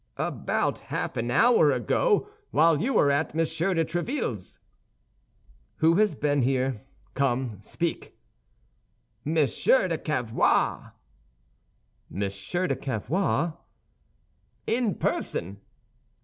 "About half an hour ago, while you were at Monsieur de Tréville's." "Who has been here? Come, speak." "Monsieur de Cavois." "Monsieur de Cavois?" "In person."